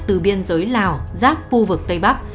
từ biên giới lào giáp khu vực tây bắc